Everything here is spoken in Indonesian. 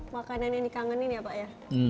makanan yang dikangenin ya pak ya